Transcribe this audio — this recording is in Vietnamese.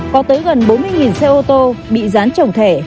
có tới gần bốn mươi xe ô tô bị rán trồng thẻ